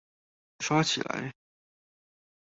刷起來